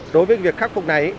đối với việc khắc phục này